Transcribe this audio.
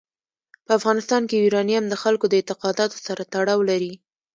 په افغانستان کې یورانیم د خلکو د اعتقاداتو سره تړاو لري.